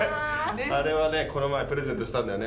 あれはねこの前プレゼントしたんだよね。